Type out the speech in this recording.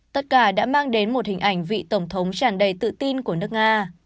tất cả đã mang đến một hình ảnh vị tổng thống tràn đầy tự tin của nước nga